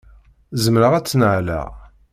Zemreɣ ad tt-nnaleɣ?